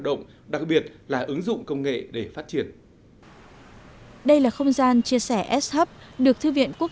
động đặc biệt là ứng dụng công nghệ để phát triển đây là không gian chia sẻ shup được thư viện quốc